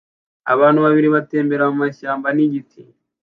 Abantu babiri batembera mumashyamba nigiti